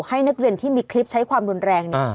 ให้นักเรียนที่มีคลิปใช้ความรุนแรงเนี่ย